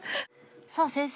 さあ先生